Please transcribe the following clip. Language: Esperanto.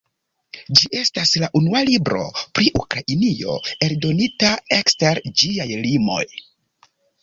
Ĝi estas la unua libro pri Ukrainio, eldonita ekster ĝiaj limoj.